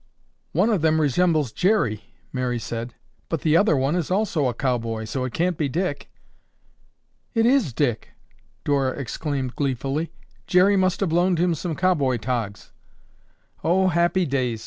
"One of them resembles Jerry," Mary said, "but the other one is also a cowboy, so it can't be Dick." "It is Dick!" Dora exclaimed gleefully. "Jerry must have loaned him some cowboy togs." "Oh, Happy Days!"